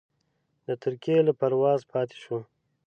د ترکیې له پروازه پاتې شوم.